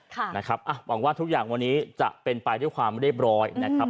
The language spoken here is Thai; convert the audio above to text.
หวังว่าทุกอย่างวันนี้จะเป็นไปด้วยความเรียบร้อยนะครับ